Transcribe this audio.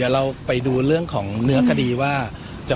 เราไปดูเรื่องของเนื้อคดีว่า